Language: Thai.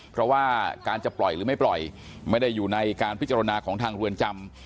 เพราะว่าการจะปล่อยหรือไม่ปล่อยไม่ได้อยู่ในการพิจารณาของทางเรือนจำ